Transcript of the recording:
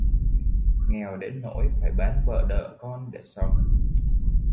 Nghèo đến nỗi phải bán vợ đợ con để sống